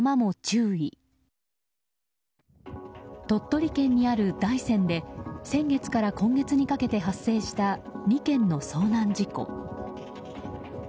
鳥取県にある大山で先月から今月にかけて発生した２件の遭難事故。